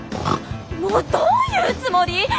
もうどういうつもり？